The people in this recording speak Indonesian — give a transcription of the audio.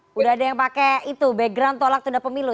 sudah ada yang pakai itu background tolak tunda pemilu